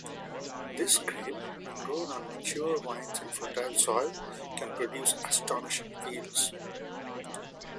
This grape, when grown on mature vines in fertile soil, can produce astonishing yields.